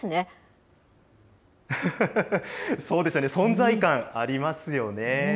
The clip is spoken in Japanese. そうですよね、存在感ありますよね。